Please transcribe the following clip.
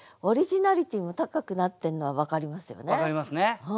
分かりますね。